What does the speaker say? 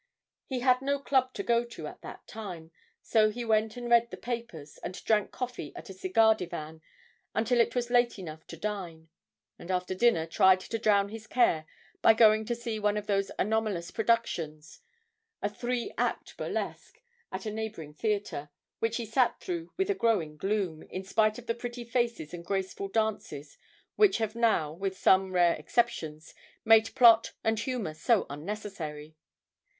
He had no club to go to at that time, so he went and read the papers, and drank coffee at a cigar divan until it was late enough to dine, and after dinner tried to drown his care by going to see one of those anomalous productions a 'three act burlesque' at a neighbouring theatre, which he sat through with a growing gloom, in spite of the pretty faces and graceful dances which have now, with some rare exceptions, made plot and humour so unnecessary.